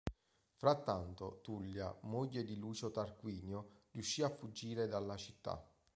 Frattanto, Tullia, moglie di Lucio Tarquinio riuscì a fuggire dalla città.